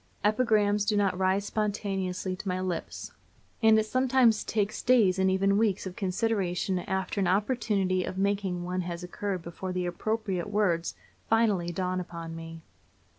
Epigrams do not rise spontaneously to my lips, and it sometimes takes days and even weeks of consideration after an opportunity of making one has occurred before the appropriate words finally dawn upon me.